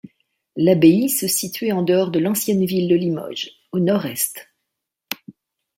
L'abbaye se situait en dehors de l'ancienne ville de Limoges, au nord-est.